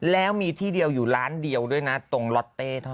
แล้วมีที่เดียวอยู่ร้านเดียวด้วยนะตรงล็อตเต้เท่านั้น